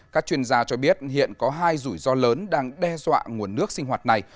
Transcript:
các chuyên gia cho biết hiện có hai rủi ro lớn đang đe dọa nguồn nước sinh hoạt này